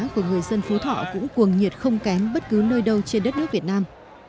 của người dân phú thọ cũng cuồng nhiệt không kém bất cứ nơi đâu trên đất nước việt nam